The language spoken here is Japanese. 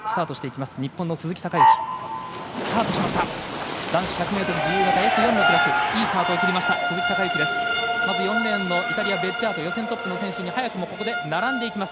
まず４レーンのイタリア、ベッジャート予選トップの選手に並んでいきます。